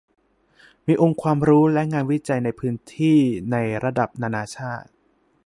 มีองค์ความรู้และงานวิจัยในพื้นที่ในระดับนานาชาติ